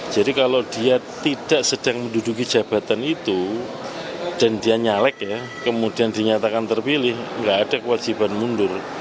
jadi kalau dia tidak sedang menduduki jabatan itu dan dia nyalek ya kemudian dinyatakan terpilih nggak ada kewajiban mundur